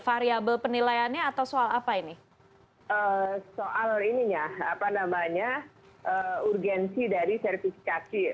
variable penilaiannya atau soal apa ini soal ininya apa namanya urgensi dari sertifikasi